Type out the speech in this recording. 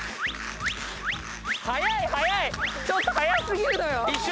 ちょっと速過ぎるのよ！